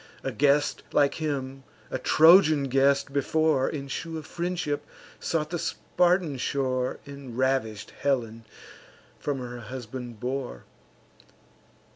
A guest like him, a Trojan guest before, In shew of friendship sought the Spartan shore, And ravish'd Helen from her husband bore.